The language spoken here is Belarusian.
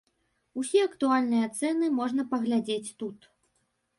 Усе актуальныя цэны можна паглядзець тут.